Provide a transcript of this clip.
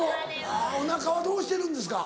おなかはどうしてるんですか？